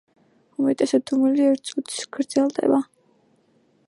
უმეტესად, დუმილი ერთ წუთს გრძელდება.